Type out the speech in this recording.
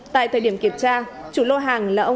tại thời điểm kiểm tra chủ lô hàng là ông